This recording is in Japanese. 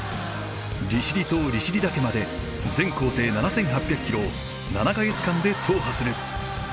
利尻島利尻岳まで全行程７，８００キロを７か月間で踏破する。